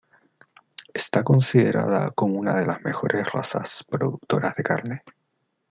Está considerada como una de las mejores razas productoras de carne.